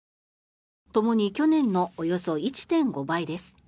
ともに去年のおよそ１．５倍です。